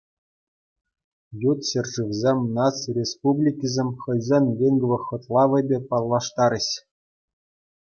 Ют ҫӗршывсем, наци республикисем хӑйсен лингвохӑтлавӗпе паллаштарӗҫ.